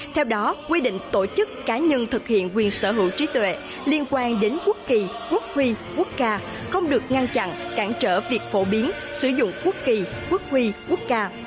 theo đó quy định tổ chức cá nhân thực hiện quyền sở hữu trí tuệ liên quan đến quốc kỳ quốc huy quốc ca không được ngăn chặn cản trở việc phổ biến sử dụng quốc kỳ quốc quy quốc ca